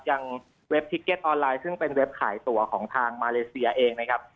เว็บทิเก็ตออนไลน์ซึ่งเป็นเว็บขายตัวของทางมาเลเซียเองนะครับ